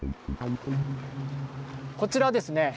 こちらですね